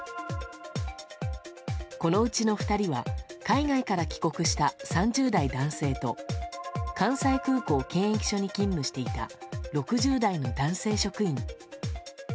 このうちの２人は海外から帰国した３０代男性と関西空港検疫所に勤務していた６０代の男性職員。